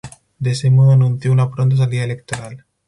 De ese modo anunció una pronta salida electoral.